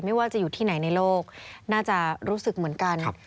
ไม่ว่าจะอยู่ที่ไหนในโลกน่าจะรู้สึกเหมือนกัน